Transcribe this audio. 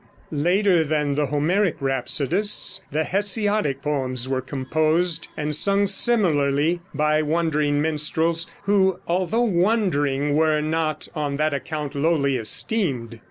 '" Later than the Homeric rhapsodists, the Hesiodic poems were composed and sung similarly by wandering minstrels, who, although wandering, were not on that account lowly esteemed.